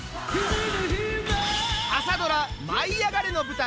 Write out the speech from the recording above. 朝ドラ「舞いあがれ！」の舞台